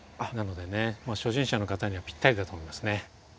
もう初心者の方にはピッタリだと思いますね。